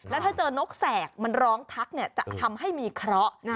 แล้วถ้าเจอนกแสกมันร้องทักจะทำให้มีเคราะห์